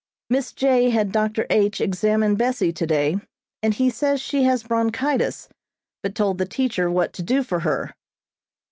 Miss J. had Dr. H. examine Bessie today, and he says she has bronchitis, but told the teacher what to do for her.